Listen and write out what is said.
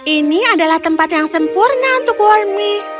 ini adalah tempat yang sempurna untuk warmi